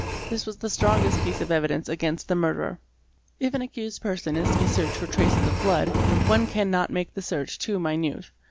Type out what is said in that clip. This was the strongest piece of evidence against the murderer. If an accused person is to be searched for traces of blood, one cannot make the search'too minute.